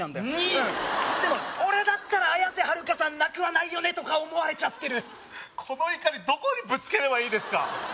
うんでも俺だったら綾瀬はるかさんなくはないよねとか思われちゃってるこの怒りどこにぶつければいいですか？